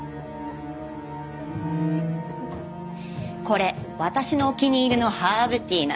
これ私のお気に入りのハーブティーなの。